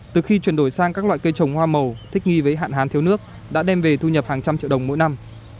từ khi chuyển đổi sang các loại cây trồng hoa màu thích nghi với hạn hán thiếu nước đã đem về thu nhập hàng trăm triệu đồng mỗi năm